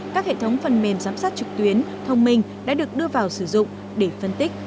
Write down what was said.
các hệ thống phần mềm giám sát trực tuyến thông minh đã được đưa vào sử dụng để phân tích